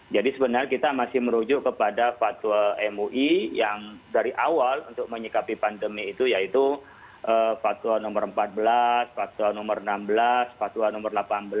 jadi sebenarnya kita masih merujuk kepada fatwa mui yang dari awal untuk menyikapi pandemi itu yaitu fatwa nomor empat belas fatwa nomor enam belas fatwa nomor delapan belas